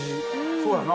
そうやな。